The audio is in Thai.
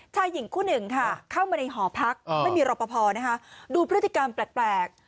หญิงคู่หนึ่งค่ะเข้ามาในหอพักไม่มีรอปภนะคะดูพฤติกรรมแปลก